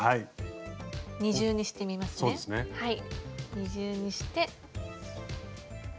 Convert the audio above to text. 二重にして。